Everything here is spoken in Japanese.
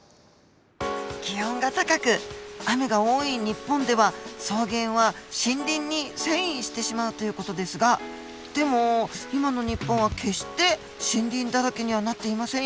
気温が高く雨が多い日本では草原は森林に遷移してしまうという事ですがでも今の日本は決して森林だらけにはなっていませんよね？